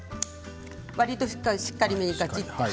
わりとしっかりめにかちっと。